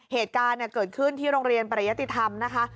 เหตุการณ์เกิดขึ้นที่โรงเรียนปริยติธรรมนะคะ